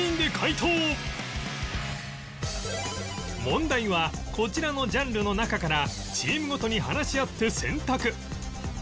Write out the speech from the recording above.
問題はこちらのジャンルの中からチームごとに話し合って選択